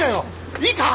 いいか！？